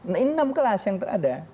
nah ini enam kelas yang terada